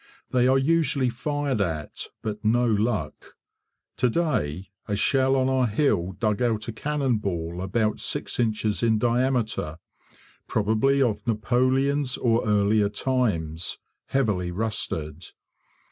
They are usually fired at, but no luck. To day a shell on our hill dug out a cannon ball about six inches in diameter probably of Napoleon's or earlier times heavily rusted.